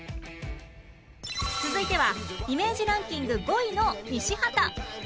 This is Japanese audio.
続いてはイメージランキング５位の西畑